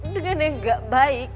dengan yang gak baik